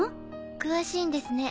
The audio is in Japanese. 詳しいんですね。